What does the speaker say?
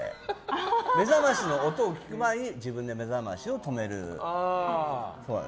目覚ましの音を聞く前に自分の目覚ましを止める。